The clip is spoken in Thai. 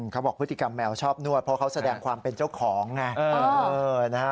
เขาบอกพฤติกรรมแมวชอบนวดเพราะเขาแสดงความเป็นเจ้าของไง